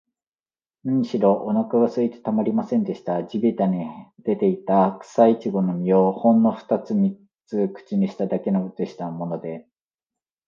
なにしろ、おなかがすいてたまりませんでした。地びたに出ていた、くさいちごの実を、ほんのふたつ三つ口にしただけでしたものね。